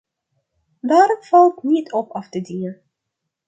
Daar valt niet op af te dingen.